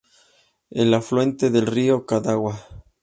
Es afluente del río Cadagua.